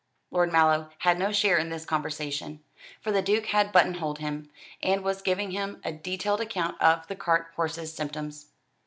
Lord Mallow had no share in this conversation, for the Duke had buttonholed him, and was giving him a detailed account of the cart horse's symptoms.